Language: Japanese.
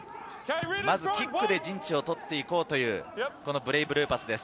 キックで陣地を取って行こうというブレイブルーパスです。